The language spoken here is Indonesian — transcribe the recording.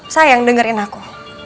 sayang dengerin aku